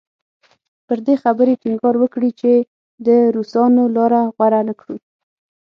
پر دې خبرې ټینګار وکړي چې د روسانو لاره غوره نه کړو.